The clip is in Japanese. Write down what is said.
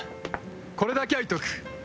これだけは言っておく。